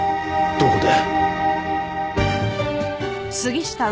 どこで！？